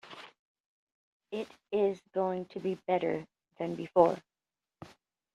It is going to be better than before.